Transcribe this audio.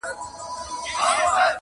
چا چي کړی په چاپلوس باندي باور دی!